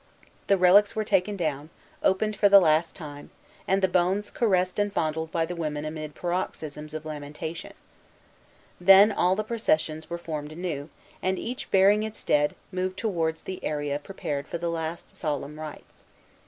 The relics were taken down, opened for the last time, and the bones caressed and fondled by the women amid paroxysms of lamentation. Then all the processions were formed anew, and, each bearing its dead, moved towards the area prepared for the last solemn rites.